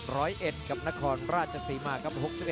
รอยเอ็ดกับนครราชสีมาครับ